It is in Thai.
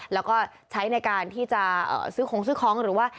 แล้วก็ใช้ในการที่จะซื้อของซื้อของหรือว่า